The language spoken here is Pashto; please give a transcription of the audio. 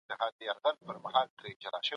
که کتابونه ډېر سي د مطالعې فرهنګ به پياوړی سي.